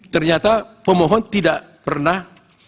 ternyata pemohon tidak pernah